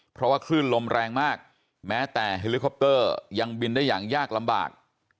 เพราะว่าคลื่นลมแรงมากแม้แต่เฮลิคอปเตอร์ยังบินได้อย่างยากลำบาก